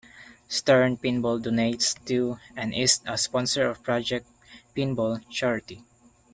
Stern Pinball donates to and is a sponsor of Project Pinball Charity.